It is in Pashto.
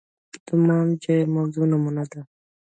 د امام جائر موضوع نمونه ده